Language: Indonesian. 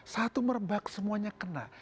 satu merebak semuanya kena